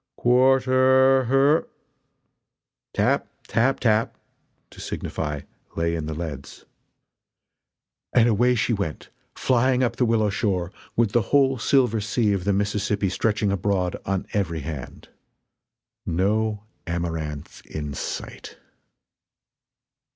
"Quarter her " "Tap! tap! tap!" (to signify "Lay in the leads") And away she went, flying up the willow shore, with the whole silver sea of the Mississippi stretching abroad on every hand. No Amaranth in sight!